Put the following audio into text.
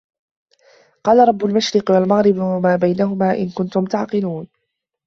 قالَ رَبُّ المَشرِقِ وَالمَغرِبِ وَما بَينَهُما إِن كُنتُم تَعقِلونَ